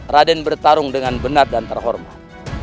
raden bertarung dengan benar dan terhormat